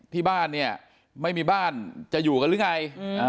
ที่บ้านเนี่ยไม่มีบ้านจะอยู่กันหรือไง